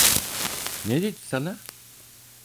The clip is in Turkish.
Ne dedi sana?